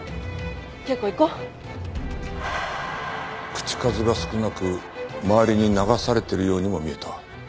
口数が少なく周りに流されてるようにも見えた。